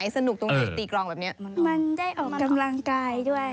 สนุกตรงจุดตีกลองแบบนี้มันได้ออกกำลังกายด้วย